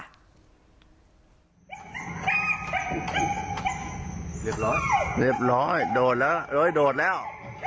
เรียบร้อยโดดแล้ว